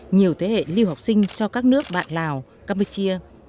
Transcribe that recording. nhiều thế hệ lưu học sinh cho các nước bạn lào campuchia